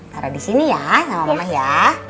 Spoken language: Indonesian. taruh disini ya sama mama ya